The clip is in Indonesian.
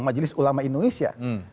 majelis ulama indonesia